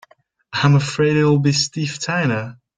I'm afraid it'll be Steve Tina.